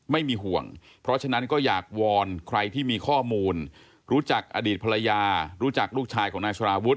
ไม่มีห่วงเพราะฉะนั้นก็อยากวอนใครที่มีข้อมูลรู้จักอดีตภรรยารู้จักลูกชายของนายสารวุฒิ